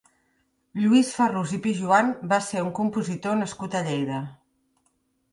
Lluís Farrús i Pijoan va ser un compositor nascut a Lleida.